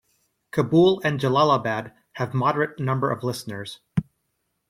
Kabul and Jalalabad have moderate number of listeners.